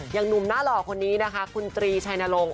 อย่างหนุ่มหน้าหล่อคนนี้นะคะคุณตรีชัยนรงค์